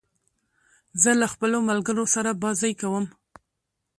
زه له خپلو ملګرو سره بازۍ کوم.